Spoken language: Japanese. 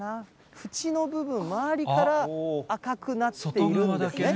縁の部分、周りから赤くなってくるんですね。